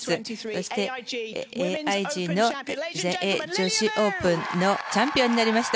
そして、ＡＩＧの全英女子オープンのチャンピオンになりました。